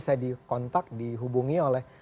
saya dikontak dihubungi oleh